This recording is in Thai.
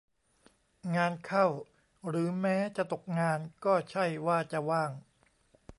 งานเข้า หรือแม้จะตกงานก็ใช่ว่าจะว่าง